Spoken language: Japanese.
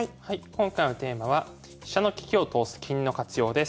今回のテーマは「飛車の利きを通す金の活用」です。